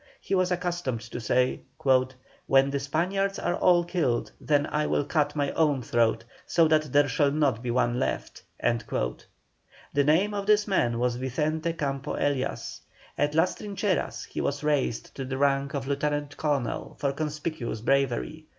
He was accustomed to say: "When the Spaniards are all killed then I will cut my own throat, so that there shall not be one left." The name of this man was Vicente Campo Elias. At Las Trincheras he was raised to the rank of lieutenant colonel for conspicuous bravery.